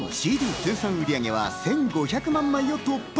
通算売り上げは１５００万枚を突破。